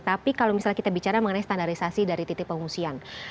tapi kalau misalnya kita bicara mengenai standarisasi dari titik pengungsian